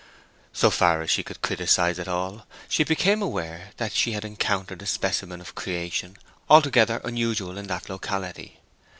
So far as she could criticise at all, she became aware that she had encountered a specimen of creation altogether unusual in that locality.